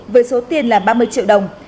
với số tiền là ba mươi triệu đồng